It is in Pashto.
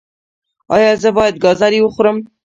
ایا زه باید ګازرې وخورم؟